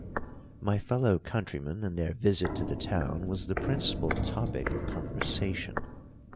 _ My fellow countrymen and their visit to the town was the principal topic of conversation.